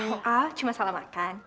oh cuma salah makan